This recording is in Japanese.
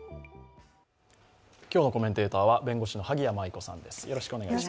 今日のコメンテーターは弁護士の萩谷麻衣子さんです。